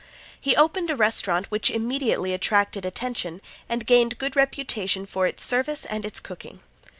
He opened a restaurant which immediately attracted attention and gained good reputation for its service and its cooking.